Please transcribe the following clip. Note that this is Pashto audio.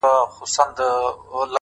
• زما له زړه یې جوړه کړې خېلخانه ده،